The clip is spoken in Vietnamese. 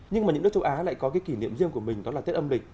nhưng mà những nước châu á lại có cái kỷ niệm riêng của mình đó là tết âm lịch